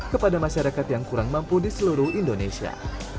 kepada masyarakat yang kurang mampu di seluruh indonesia